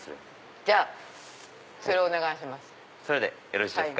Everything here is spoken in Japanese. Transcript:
じゃあそれをお願いします。